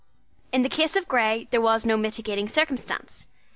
In the case of Grey there was no mitigating circumstance.